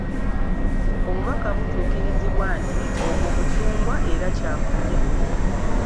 Obubaka butuukirizibwa nti, ogwo mucungwa era kyakulya.